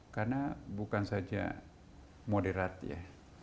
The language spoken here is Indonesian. karena bukan saja moderat ya